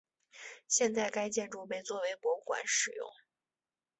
现在该建筑被作为博物馆使用。